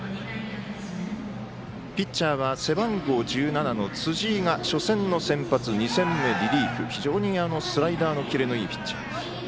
ピッチャーは背番号１７の辻井が、初戦の先発２戦目リリーフスライダーのキレのいいピッチャー。